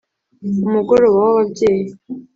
umugoroba w’ababyeyi